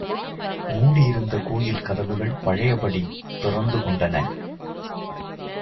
மூடியிருந்த கோயில் கதவுகள் பழையபடி திறந்து கொண்டன.